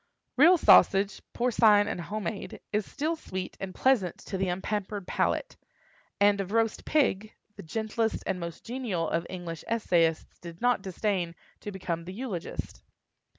Real sausage, porcine and home made, is still sweet and pleasant to the unpampered palate; and of roast pig, the gentlest and most genial of English essayists did not disdain to become the eulogist.